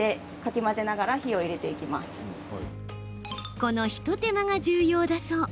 この一手間が重要だそう。